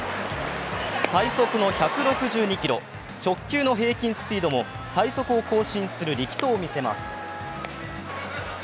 最速の１６２キロ、直球の平均球速も最速を更新する力投を見せます。